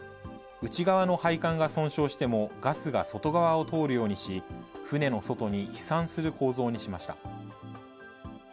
内側の配管が損傷しても、ガスが外側を通るようにし、船の外に飛散する構造にしました。